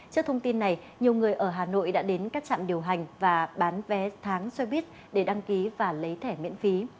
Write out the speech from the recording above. trước thông tin này nhiều người ở hà nội đã đến các trạm điều hành và bán vé tháng xe buýt để đăng ký và lấy thẻ miễn phí